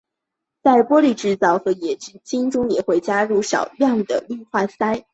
在玻璃制造和冶金也会加入少量的氯化锶。